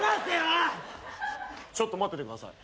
ちょっと待っててください。